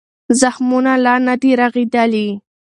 زخمونه لا نه دي رغېدلي.